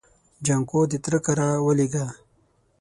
جانکو د تره کره ولېږه.